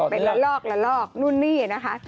ตอนนี้ล่ะเป็นระลอกนู่นนี่นะคะ